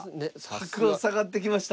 角を下がってきました。